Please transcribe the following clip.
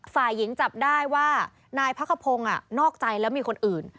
ฝ่ายหญิงจับได้ว่านายพระขพงศ์นอกใจแล้วมีคนอื่น